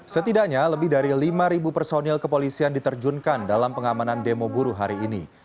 setidaknya lebih dari lima personil kepolisian diterjunkan dalam pengamanan demo buruh hari ini